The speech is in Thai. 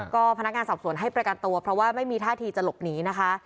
ก็พนักงานสอบสวนให้ประกันตัวเพราะว่าไม่มีท่าทีจะหลบหนีนะคะ